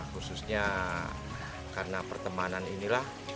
khususnya karena pertemanan inilah